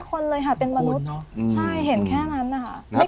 เป็นคนเลยหาแบบเป็นมนุษย์จริงสมาชิกเนอะใช่เห็นแค่นั้นนะคะไม่เคยเห็นเป็นผู้ชาย